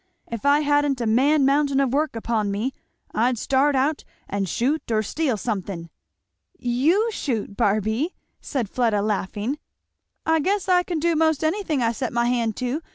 "If I hadn't a man mountain of work upon me, I'd start out and shoot or steal something." "You shoot, Barby!" said Fleda laughing. "I guess I can do most anything I set my hand to.